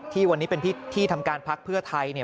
ที่วันนี้เป็นที่ทำการพักเพื่อไทยเนี่ย